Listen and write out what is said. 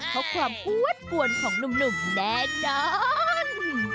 เพราะความกวดกวนของหนุ่มแน่นอน